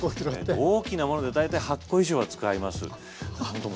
大きなもので大体８個以上は使います。